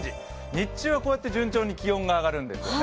日中はこのように順調に気温が上がるんですよね。